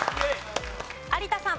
有田さん。